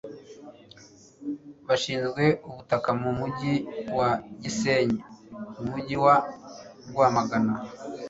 bashinzwe ubutaka mu mujyi wa gisenyi umujyi wa rwamagana